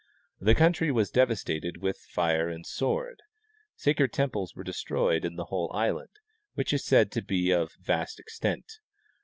The country was devastated with fire and sword ; sacred temples were destroyed in the whole island, which is said to be of vast extent.